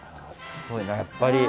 すごいな、やっぱり。